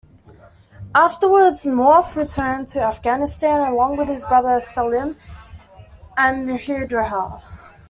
Afterwards, Nawaf returned to Afghanistan along with his brother Salem, and Mihdhar.